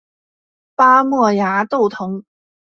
巴莫崖豆藤